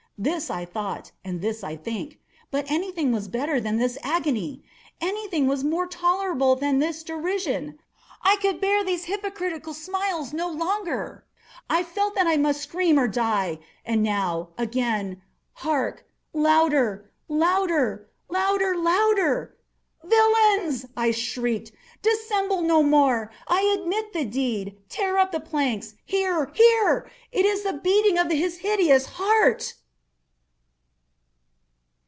—this I thought, and this I think. But anything was better than this agony! Anything was more tolerable than this derision! I could bear those hypocritical smiles no longer! I felt that I must scream or die! and now—again!—hark! louder! louder! louder! louder! "Villains!" I shrieked, "dissemble no more! I admit the deed!—tear up the planks!—here, here!—It is the beating of his hideous heart!"